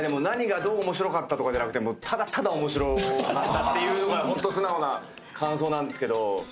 何がどう面白かったとかじゃなくてただただ面白かったっていうようなホント素直な感想なんですけど。